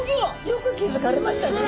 よく気付かれましたね。